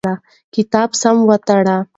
کتاب سم وتړه.